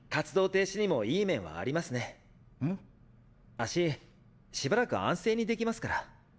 足しばらく安静にできますから。